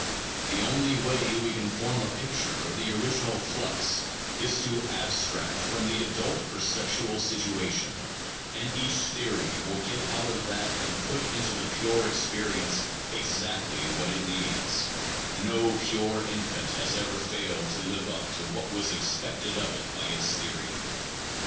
The only way we can form a picture of the original flux is to abstract from the adult perceptual situation; and each theory will get out of that and put into the pure experience exactly what it needs : no pure infant has ever failed to live up to what was expected of it by its theory.